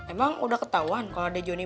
emang udah ketauan kalau dejjoni